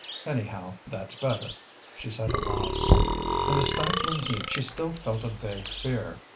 "Anyhow, that's better," she said aloud. In the stifling heat she still felt a vague fear.